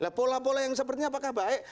lah pola pola yang sepertinya apakah baik